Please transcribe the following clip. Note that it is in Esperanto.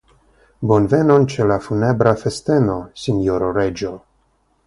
Bonvenon ĉe la funebra festeno, sinjoro reĝo!